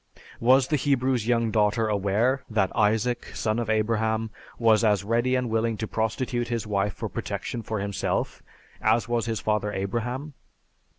Was the Hebrew's young daughter aware that Isaac, son of Abraham, was as ready and willing to prostitute his wife for protection for himself as was his father Abraham?